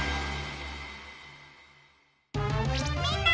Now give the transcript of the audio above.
みんな！